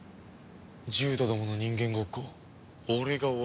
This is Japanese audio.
獣人どもの人間ごっこを俺が終わらせる。